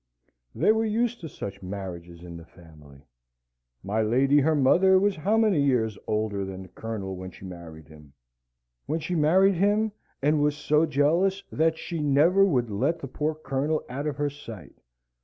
They were used to such marriages in the family; my lady her mother was how many years older than the Colonel when she married him? When she married him and was so jealous that she never would let the poor Colonel out of her sight.